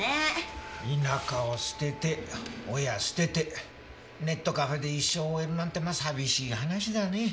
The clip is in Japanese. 田舎を捨てて親捨ててネットカフェで一生を終えるなんてのは寂しい話だねぇ。